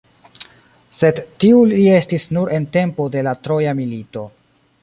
Sed tiu li estis nur en tempo de la Troja milito.